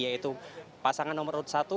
yaitu pasangan nomor satu